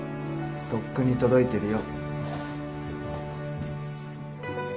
とっくに届いてるよ。